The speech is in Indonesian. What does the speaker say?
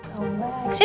sini dong duduk sini